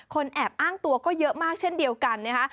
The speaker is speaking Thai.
แอบอ้างตัวก็เยอะมากเช่นเดียวกันนะคะ